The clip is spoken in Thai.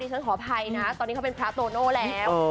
ฉันขออภัยนะตอนนี้เขาเป็นพระโตโน่แล้ว